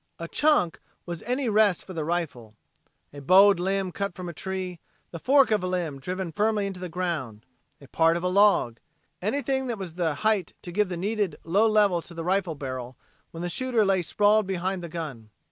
"A chunk" was any rest for the rifle a bowed limb cut from a tree, the fork of a limb driven firmly into the ground, a part of a log anything that was the height to give the needed low level to the rifle barrel when the shooter lay sprawled behind the gun.